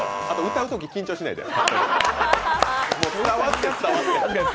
あと歌うとき緊張しないで。